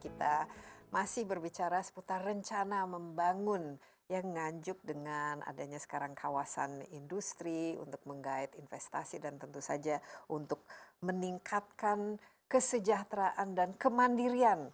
kita masih berbicara seputar rencana membangun yang nganjuk dengan adanya sekarang kawasan industri untuk menggait investasi dan tentu saja untuk meningkatkan kesejahteraan dan kemandirian